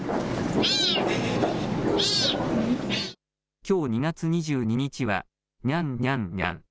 きょう２月２２日はにゃん・にゃん・にゃん。